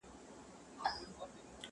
زه هوسۍ له لوړو څوکو پرزومه،